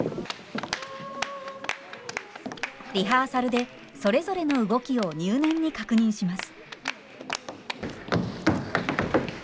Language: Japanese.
リハーサルでそれぞれの動きを入念に確認します。